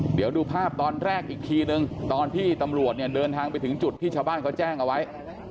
เดี๋ยวดูภาพตอนแรกอีกทีนึงตอนที่ตำรวจเนี่ยเดินทางไปถึงจุดที่ชาวบ้านเขาแจ้งเอาไว้